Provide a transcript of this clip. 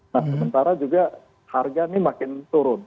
nah sementara juga harga ini makin turun